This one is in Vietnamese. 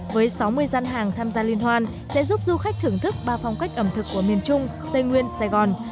với sáu mươi gian hàng tham gia liên hoan sẽ giúp du khách thưởng thức ba phong cách ẩm thực của miền trung tây nguyên sài gòn